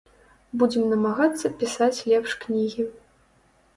Будзем намагацца пісаць лепш кнігі.